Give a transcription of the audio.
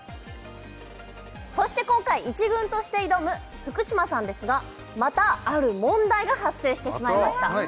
そして今回１軍として挑む福嶌さんですがまたある問題が発生してしまいました